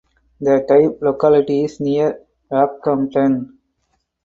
The type locality is near Rockhampton.